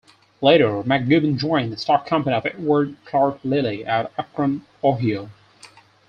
Later, MacGibbon joined the stock company of Edward Clarke Lilley at Akron, Ohio.